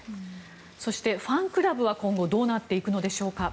そして、ファンクラブは今後どうなっていくのでしょうか。